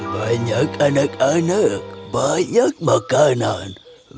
banyak anak anak banyak makanan